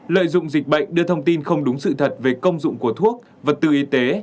một mươi năm lợi dụng dịch bệnh đưa thông tin không đúng sự thật về công dụng của thuốc vật tư y tế